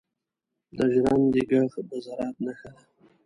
• د ژرندې ږغ د زراعت نښه ده.